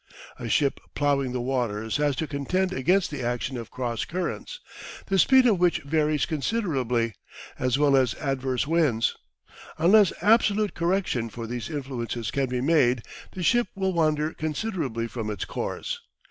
A ship ploughing the waters has to contend against the action of cross currents, the speed of which varies considerably, as well as adverse winds. Unless absolute correction for these influences can be made the ship will wander considerably from its course.